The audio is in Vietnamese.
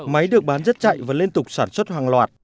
máy được bán rất chạy và liên tục sản xuất hàng loạt